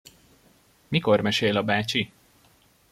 Mikor mesél a bácsi?